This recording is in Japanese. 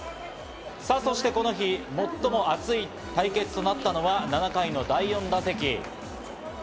さぁ、そして、この日最も熱い対決となったのは、７回の第４打席。